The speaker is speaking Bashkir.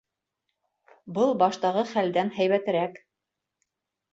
Был баштағы хәлдән һәйбәтерәк.